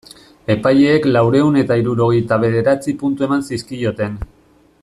Epaileek laurehun eta hirurogeita bederatzi puntu eman zizkioten.